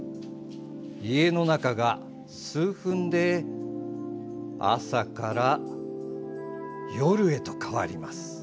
家の中が数分で朝から夜へと変わります。